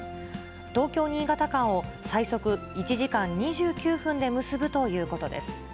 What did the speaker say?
東京・新潟間を、最速１時間２９分で結ぶということです。